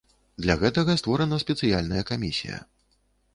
Для гэтага створана спецыяльная камісія.